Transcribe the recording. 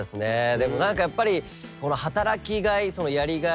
でも何かやっぱり働きがいやりがい